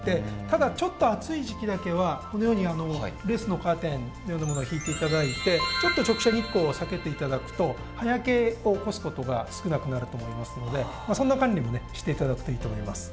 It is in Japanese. ただちょっと暑い時期だけはこのようにレースのカーテンのようなものを引いて頂いてちょっと直射日光を避けて頂くと葉焼けを起こす事が少なくなると思いますのでそんな管理もして頂くといいと思います。